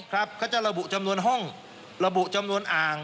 เขาจะระบุจำนวนห้องระบุจำนวนอ่าง